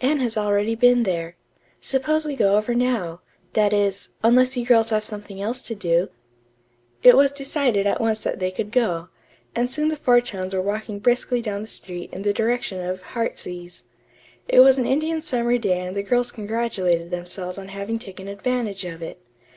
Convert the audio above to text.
Anne has already been there. Suppose we go over now; that is, unless you girls have something else to do." It was decided at once that they could go, and soon the four chums were walking briskly down the street in the direction of "Heartsease." It was an Indian summer day and the girls congratulated themselves on having taken advantage of it.